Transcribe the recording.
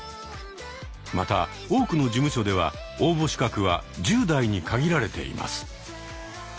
また多くの事務所では応募資格は１０代に限られています。